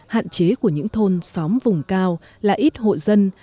hạn chế của những thôn xóm vùng cao là ít hộ dân